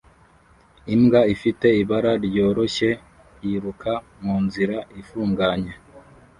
Imbwa ifite ibara ryoroshye yiruka munzira ifunganye